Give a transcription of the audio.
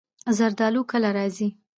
زردالو کله راځي؟